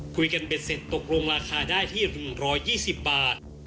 เบ็ดเสร็จตกลงราคาได้ที่๑๒๐บาท